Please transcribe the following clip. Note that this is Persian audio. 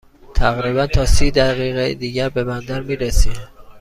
تقریباً تا سی دقیقه دیگر به بندر می رسیم.